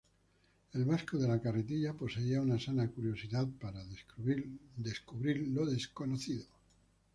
El Vasco de la carretilla poseía una sana curiosidad para descubrir lo desconocido.